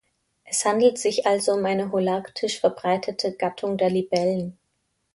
Es handelt sich also um eine holarktisch verbreitete Gattung der Libellen.